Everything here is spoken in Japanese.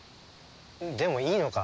でもいいのか？